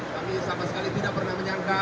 kami sama sekali tidak pernah menyangka